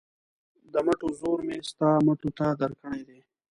د مټو زور مې ستا مټو ته درکړی دی.